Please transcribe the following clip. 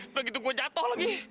udah gitu gue jatuh lagi